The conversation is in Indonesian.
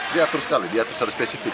diatur sekali diatur secara spesifik